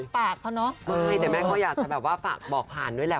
ปากเขาเนอะไม่แต่แม่ก็อยากจะแบบว่าฝากบอกผ่านด้วยแหละ